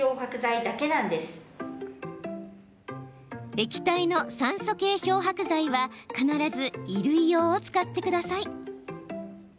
液体の酸素系漂白剤は必ず衣類用を使ってください。